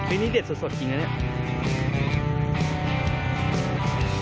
อันนี้เด็ดสดอย่างนี้